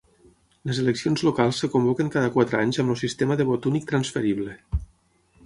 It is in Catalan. Les eleccions locals es convoquen cada quatre anys amb el sistema de vot únic transferible.